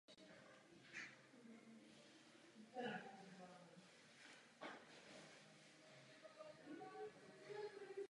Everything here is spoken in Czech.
V červenci byl propuštěn a Němci ho příležitostně sledovali.